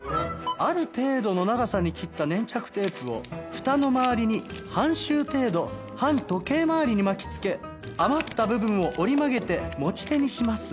ある程度の長さに切った粘着テープをふたの周りに半周程度反時計回りに巻きつけ余った部分を折り曲げて持ち手にします。